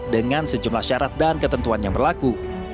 dengan sejumlah syarat dan ketentuan yang berlaku